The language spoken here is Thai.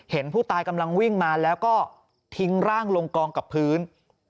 ผู้ตายกำลังวิ่งมาแล้วก็ทิ้งร่างลงกองกับพื้น